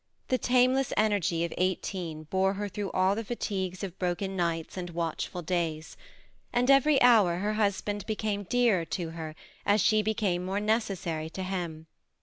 The tameless energy of eighteen bore her through all the fatigues of broken nights and watchful days ; and every hour her husband became dearer to her, as she became more necessary to him.